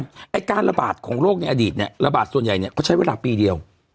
ไอ้การระบาดของโรคในอดีตเนี่ยระบาดส่วนใหญ่เนี่ยเขาใช้เวลาปีเดียว